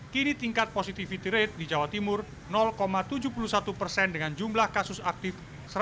kini tingkat positivity rate di jawa timur tujuh puluh satu persen dengan jumlah kasus aktif satu ratus delapan puluh